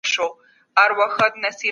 د ټولني اصلاح د هر چا دنده ده.